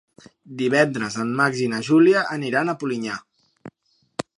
Divendres en Max i na Júlia aniran a Polinyà.